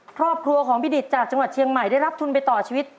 ครอบครัวของพี่ดิตจากจังหวัดเชียงใหม่ได้รับทุนไปต่อชีวิต